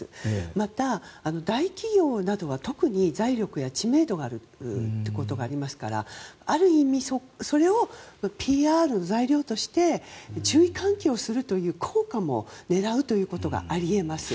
また、大企業などは特に財力や知名度があるということがありますからある意味それをＰＲの材料として注意喚起をするという効果も狙うということがあり得ます。